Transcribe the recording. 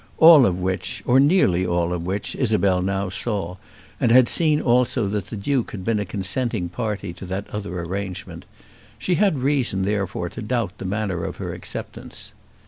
All of which, or nearly all of which, Isabel now saw, and had seen also that the Duke had been a consenting party to that other arrangement. She had reason therefore to doubt the manner of her acceptance.